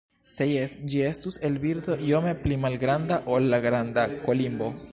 Se jes, ĝi estus el birdo iome pli malgranda ol la Granda kolimbo.